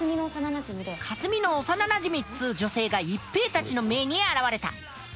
かすみの幼なじみっつう女性が一平たちの前に現れた。